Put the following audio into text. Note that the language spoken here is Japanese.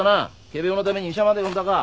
仮病のために医者まで呼んだか。